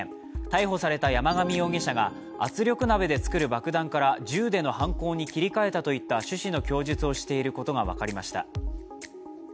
逮捕された山上容疑者が、圧力鍋で作る爆弾から銃での犯行に切り替えたといった趣旨の供述をしていることが分かりました。